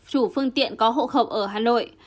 chủ phương tiện có hộ khẩu ở hà nội